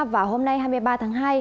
và hôm nay hai mươi ba tháng hai